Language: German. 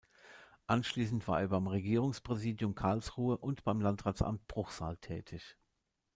Anschließend war er beim Regierungspräsidium Karlsruhe und beim Landratsamt Bruchsal tätig.